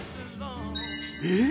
えっ？